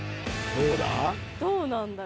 どうだ？